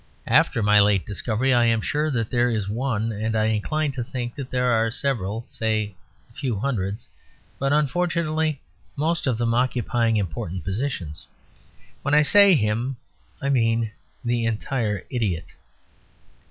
After my late discovery I am sure that there is one; and I incline to think that there are several, say, a few hundreds; but unfortunately most of them occupying important positions. When I say "him," I mean the entire idiot.